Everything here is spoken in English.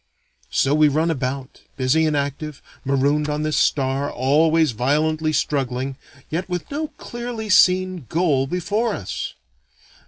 So we run about, busy and active, marooned on this star, always violently struggling, yet with no clearly seen goal before us.